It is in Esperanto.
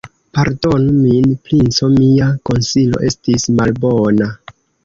Pardonu min, princo: Mia konsilo estis malbona.